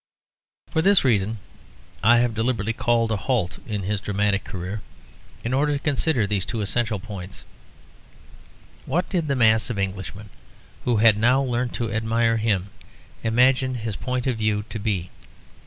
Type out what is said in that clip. For this reason I have deliberately called a halt in his dramatic career, in order to consider these two essential points: What did the mass of Englishmen, who had now learnt to admire him, imagine his point of view to be?